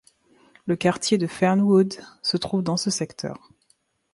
Le quartier de Fernwood se trouve dans ce secteur.